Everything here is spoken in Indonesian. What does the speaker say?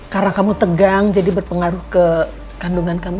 karena kamu tegang jadi berpengaruh ke kandungan kamu